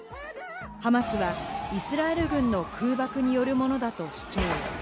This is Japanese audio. ハマスはイスラエル軍の空爆によるものだと主張。